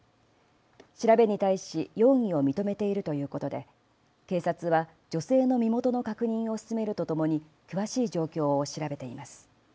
調べに対し容疑を認めているということで警察は女性の身元の確認を進めるとともに詳しい状況を調べています。